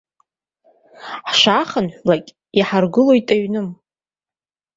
Ҳшаахынҳәлак иҳаргылоит аҩны.